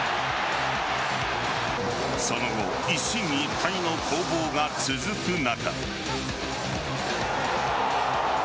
その後、一進一退の攻防が続く中。